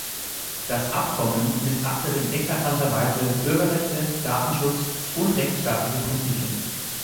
Das Abkommen missachtet in eklatanter Weise Bürgerrechte, Datenschutz und rechtsstaatliche Prinzipien.